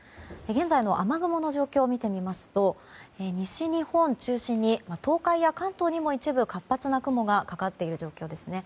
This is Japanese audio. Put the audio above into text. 現在の雨雲の状況を見てみますと西日本を中心に、東海や関東にも一部、活発な雲がかかっている状況ですね。